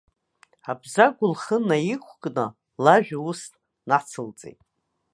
Абзагә лхы наиқәкны, лажәа ус нацылҵеит.